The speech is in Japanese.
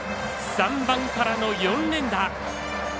３番からの４連打。